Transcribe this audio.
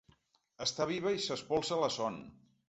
Està viva i s’espolsa la son.